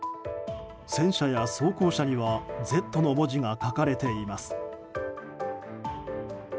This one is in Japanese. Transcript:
戦車や装甲車には「Ｚ」の文字が書かれています。